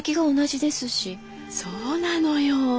そうなのよ。